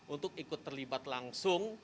untuk ikut terlibat langsung